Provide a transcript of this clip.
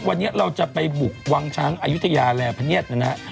วันนี้เราจะไปบุกวังช้างอายุทยาแลพเนียดนะฮะ